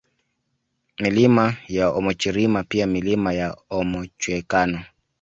Milima ya Omuchirima pia Milima ya Omuchwekano